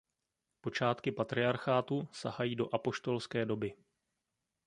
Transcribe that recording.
Počátky patriarchátu sahají do apoštolské doby.